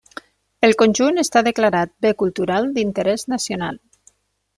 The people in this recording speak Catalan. El conjunt està declarat Bé Cultural d'Interès Nacional.